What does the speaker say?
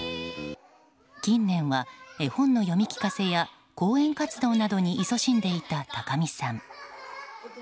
近年は、絵本の読み聞かせや講演活動などにいそしんでいた高見さん。